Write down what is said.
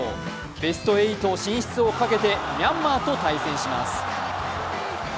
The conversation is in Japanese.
ベスト８進出をかけてミャンマーと対戦します。